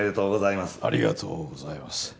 ありがとうございます。